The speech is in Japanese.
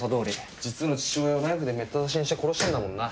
実の父親をナイフでめった刺しにして殺したんだもんな。